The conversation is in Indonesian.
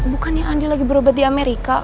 bukannya andi lagi berobat di amerika